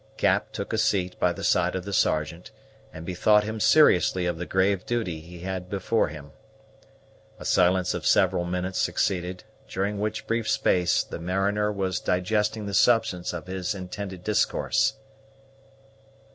Cap took a seat by the side of the Sergeant, and bethought him seriously of the grave duty he had before him. A silence of several minutes succeeded, during which brief space the mariner was digesting the substance of his intended discourse.